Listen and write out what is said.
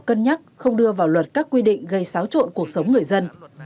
cân nhắc không đưa vào luật các quy định gây xáo trộn cuộc sống người dân